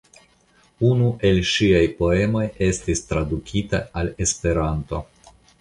Unu el ŝiaj poemoj estis tradukita al Esperanto.